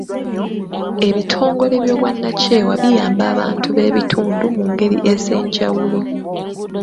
Ebitongole by'obwannakyewa biyamba abantu b'ekitundu mu ngeri ez'enjawulo.